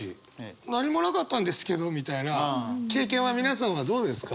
何もなかったんですけどみたいな経験は皆さんはどうですか？